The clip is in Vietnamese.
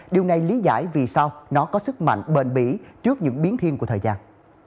điều này lý giải vì sao nó có sức mạnh bền bỉ trước những biến thiên của thời gian